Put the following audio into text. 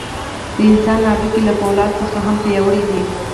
د انسان هډوکي له فولادو څخه هم پیاوړي دي.